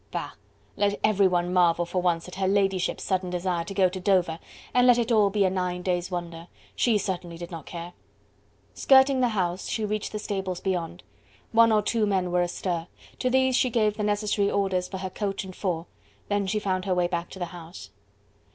Bah! let everyone marvel for once at her ladyship's sudden desire to go to Dover, and let it all be a nine days' wonder; she certainly did not care. Skirting the house, she reached the stables beyond. One or two men were astir. To these she gave the necessary orders for her coach and four, then she found her way back to the house.